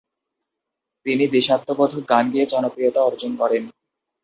তিনি দেশাত্মবোধক গান গেয়ে জনপ্রিয়তা অর্জন করেন।